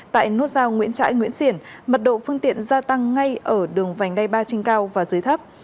tại nút giao nguyễn trãi nguyễn xiển mật độ phương tiện gia tăng ngay ở đường vành đai ba trên cao và dưới thấp